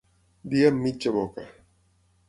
Dir amb mitja boca.